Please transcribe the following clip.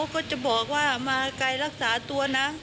ก็จะบอกว่ามาไกลรักษาตัวนะ